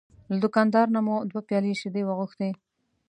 له دوکاندار نه مو دوه پیالې شیدې وغوښتې.